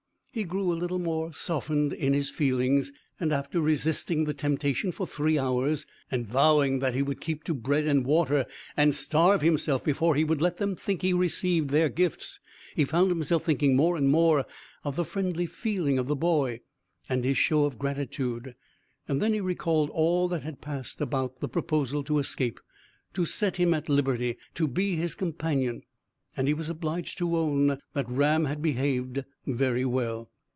He grew a little more softened in his feelings, and, after resisting the temptation for three hours, and vowing that he would keep to bread and water and starve himself before he would let them think he received their gifts, he found himself thinking more and more of the friendly feeling of the boy and his show of gratitude. Then he recalled all that had passed about the proposal to escape to set him at liberty to be his companion; and he was obliged to own that Ram had behaved very well.